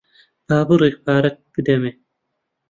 با بڕێک پارەت بدەمێ.